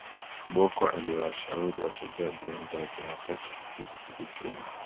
Bocco aliyewashauri wachezaji wenzake hasa chipukizi kujituma